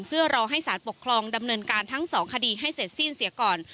เพื่อรอให้สารปกครองดำเนินการทั้งสองคดีให้เสร็จสิ้นเสียก่อน